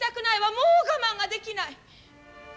もう我慢ができない。